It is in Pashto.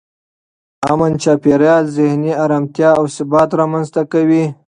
امن چاپېریال ذهني ارامتیا او ثبات رامنځته کوي.